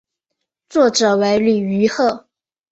作者为李愚赫。